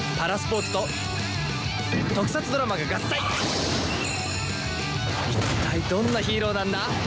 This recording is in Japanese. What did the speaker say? いったいどんなヒーローなんだ？